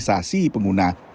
terima kasih pengguna